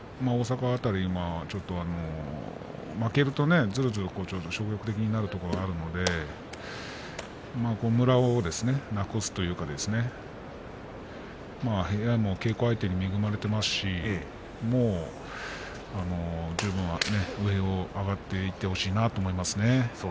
負けると、ずるずる消極的になるところがありますのでこのムラをなくすといいますか部屋も稽古相手に恵まれていますし十分、上に上がっていってほしいなと思います。